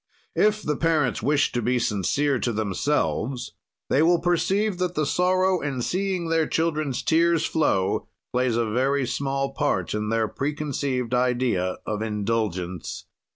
"If the parents wish to be sincere to themselves, they will perceive that the sorrow in seeing their children's tears flow, plays a very small part in their preconceived idea of indulgence.